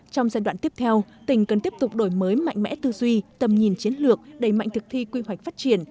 trong giai đoạn tiếp theo tỉnh cần tiếp tục đổi mới mạnh mẽ tư duy tầm nhìn chiến lược đầy mạnh thực thi quy hoạch phát triển